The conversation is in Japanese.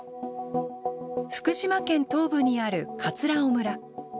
福島県東部にある尾村。